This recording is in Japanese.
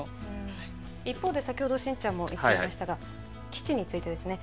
一方で先ほどしんちゃんも言っていましたが基地についてですね